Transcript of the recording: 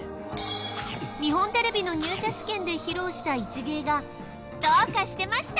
日本テレビの入社試験で披露した一芸がどうかしてました。